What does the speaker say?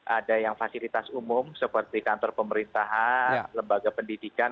ada yang fasilitas umum seperti kantor pemerintahan lembaga pendidikan